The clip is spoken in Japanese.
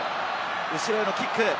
後ろへのキック。